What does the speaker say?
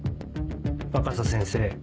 若狭先生。